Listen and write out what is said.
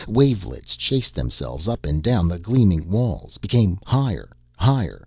Wavelets chased themselves up and down the gleaming walls, became higher, higher ...